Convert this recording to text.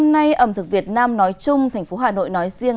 năm nay ẩm thực việt nam nói chung thành phố hà nội nói riêng